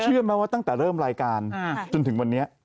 เชื่อไหมว่าตั้งแต่เริ่มรายการจนถึงวันนี้